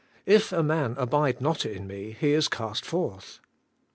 'If a man abide not in me, he is cast forth.'